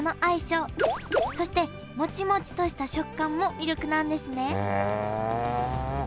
そしてモチモチとした食感も魅力なんですね